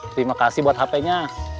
terima kasih buat hp nya